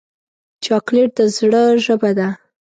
چاکلېټ د زړه ژبه ده.